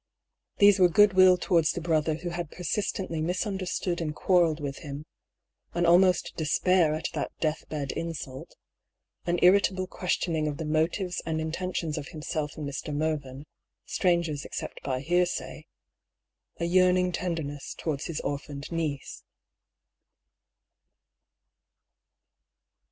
These were goodwill towards the brother who had persistently misunderstood and quarrelled with him; an almost despair at that death bed insult ; an irritable question ing of the motives and intentions of himself and Mr. Mervyn, strangers except by hearsay; a yearning ten derness towards his orphaned niece.